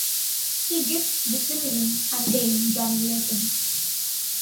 He gives the children and Diane drumming lessons.